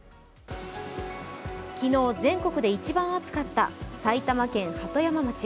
昨日、全国で一番暑かった埼玉県鳩山町。